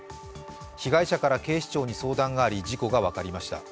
被害者から警視庁に相談があり事故が分かりました。